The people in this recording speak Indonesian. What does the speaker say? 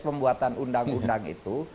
pembuatan undang undang itu